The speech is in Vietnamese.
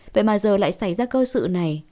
vậy mà giờ lại xảy ra cơ sự này